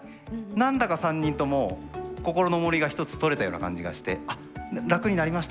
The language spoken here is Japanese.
何だか３人とも心のおもりが１つ取れたような感じがして「あっ楽になりましたね」